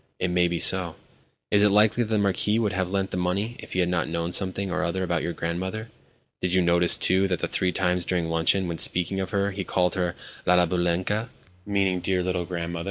"It may be so." "Is it likely that the Marquis would have lent the money if he had not known something or other about your grandmother? Did you notice, too, that three times during luncheon, when speaking of her, he called her 'La Baboulenka'?.